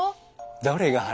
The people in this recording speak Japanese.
どれが春？